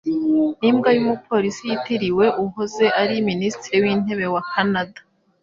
Nimbwa y'umupolisi yitiriwe uwahoze ari Minisitiri w’intebe wa Kanada?